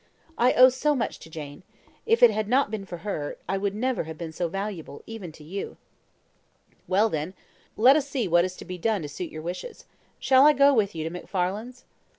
I owe so much to Jane: if it had not been for her, I would never have been so valuable even to you." "Well, then, let us see what is to be done to suit your wishes. Shall I go with you to MacFarlane's?"